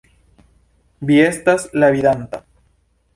Vi estas la Vidanta!